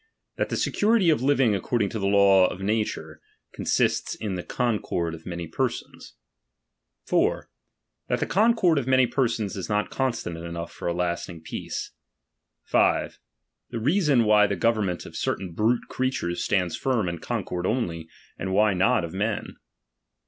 That the eecurity of living according to the laws of nature, ooasista in the concord of many persons. 4. That the concord of many persons is not constant enough for a lasting peace. S. The reason why t!ie government of certain brute creatureu Blands firm in concord only, and why not of men.